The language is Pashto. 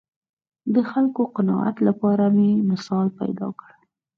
د خلکو قناعت لپاره مې مثال پیدا کړ